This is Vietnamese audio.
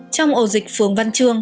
trong ổ dịch phường văn trương